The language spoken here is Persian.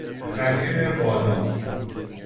خمیر بادام